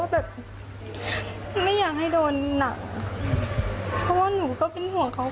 ประตู๓ครับ